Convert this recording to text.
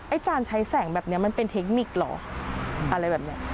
การใช้แสงแบบนี้มันเป็นเทคนิคเหรออะไรแบบเนี้ย